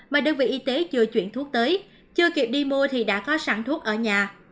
mà đơn vị y tế chưa chuyển thuốc tới chưa kịp đi mua thì đã có sản thuốc ở nhà